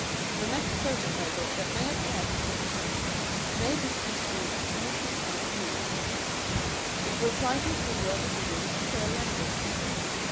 The next photoplay book that may appear from this hand may be construed to meet his point of view. It will try to agree or disagree in clear language.